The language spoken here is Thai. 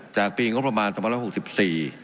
จากปีกบประมาณศ๑๙๖๔